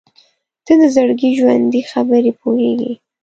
• ته د زړګي ژورې خبرې پوهېږې.